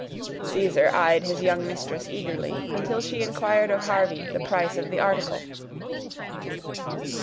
Caesar eyed his young mistress eagerly, until she inquired of Harvey the price of the article.